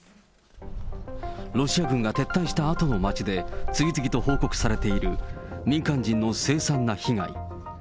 ロシア軍が撤退したあとの街で、次々と報告されている民間人の凄惨な被害。